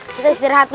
kita istirahat dulu